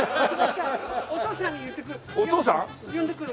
お父ちゃんに言ってくる！